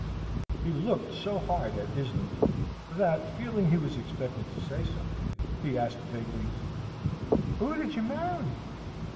He looked so hard at Islington, that, feeling he was expected to say something, he asked vaguely, "Who did you marry?"